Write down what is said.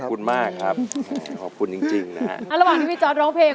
ขอบคุณมากครับขอบคุณจริงจริงนะฮะระหว่างที่พี่จอร์ดร้องเพลง